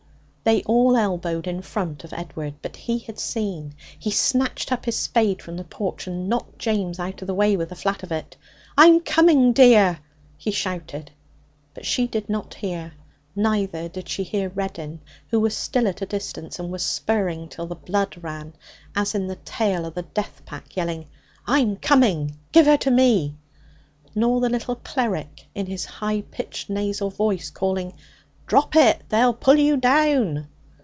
They all elbowed in front of Edward. But he had seen. He snatched up his spade from the porch, and knocked James out of the way with the flat of it. 'I'm coming, dear!' he shouted. But she did not hear. Neither did she hear Reddin, who was still at a distance, and was spurring till the blood ran, as in the tale of the death pack, yelling: 'I'm coming! Give her to me!' Nor the little cleric, in his high pitched nasal voice, calling: 'Drop it! They'll pull you down!'